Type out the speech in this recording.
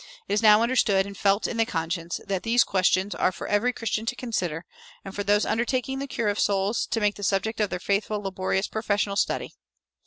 It is now understood, and felt in the conscience, that these questions are for every Christian to consider, and for those undertaking the cure of souls to make the subject of their faithful, laborious professional study.